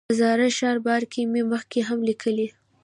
د زاړه ښار باره کې مې مخکې هم لیکلي.